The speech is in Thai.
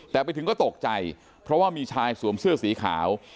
แต่ไปถึงก็ตกใจเพราะว่ามีชายสวมเสื้อสีขาว